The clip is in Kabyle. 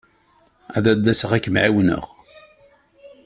Ad d-asaɣ ad kem-ɛiwneɣ.